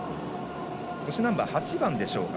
腰ナンバー８番でしょうか。